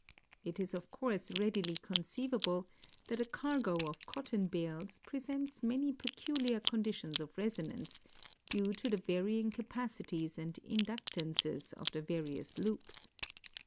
It is of course readily conceivable that a cargo of cotton bales presents many pe culiar conditions of resonance, due to the varying capacities and inductances of the various loops.